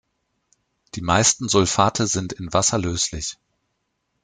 Die meisten Sulfate sind in Wasser löslich.